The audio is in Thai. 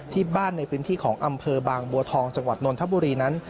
ที่บ้านในพื้นที่ของอำเภอบางบัวทองจังหวัดนนทบุรีนั้น